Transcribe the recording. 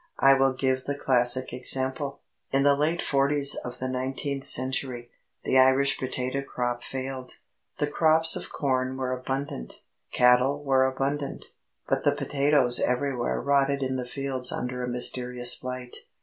I will give the classic example. In the late forties of the nineteenth century, the Irish potato crop failed. The crops of corn were abundant, cattle were abundant, but the potatoes everywhere rotted in the fields under a mysterious blight.